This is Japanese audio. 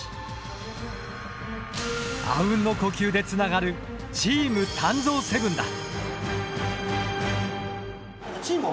阿吽の呼吸でつながるチーム鍛造セブンだ！